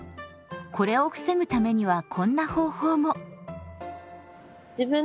これを防ぐためにはこんな方法も。